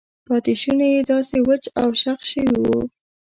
پاتې شونې یې داسې وچ او شخ شوي وو.